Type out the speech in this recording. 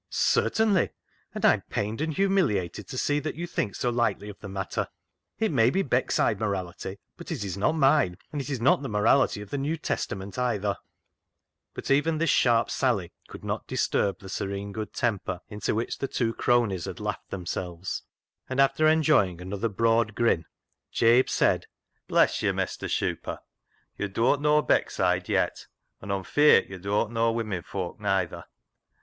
" Certainly ! and I am pained and humiliated to see that you think so lightly of the matter. It may be Beckside morality, but it is not mine, and it's not the morality of the New Testament either." But even this sharp sally could not disturb the serene good temper into which the two cronies had laughed themselves, and after en joying another broad grin, Jabe said —" Bless yo', Mester ' Shuper,' yo' dooan't knaw Beckside yet, an' Aw'm feart yo' dooan't knaw TATTY ENTWISTLE'S RETURN 107 women fooak nother.